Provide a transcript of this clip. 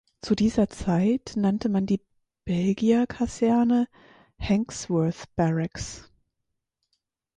Zu dieser Zeit nannte man die Belgier-Kaserne "Hankesworth-Barracks".